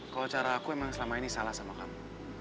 kalau cara aku memang selama ini salah sama kamu